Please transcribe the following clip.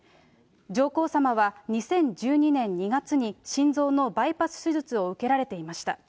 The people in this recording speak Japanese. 上皇さまは２０１２年２月に、心臓のバイパス手術を受けられていました。